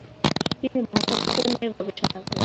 তিনি ভাষাতত্ত্ব নিয়ে গবেষণা করেন।